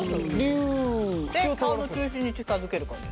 顔の中心に近づける感じですね。